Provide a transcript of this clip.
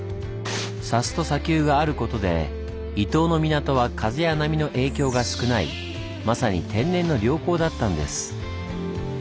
砂州と砂丘があることで伊東の港は風や波の影響が少ないまさに天然の良港だったんです。